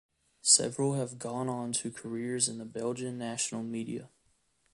Several have gone on to careers in the Belgian national media.